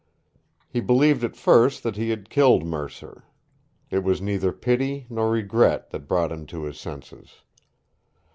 He believed at first that he had killed Mercer. It was neither pity nor regret that brought him to his senses.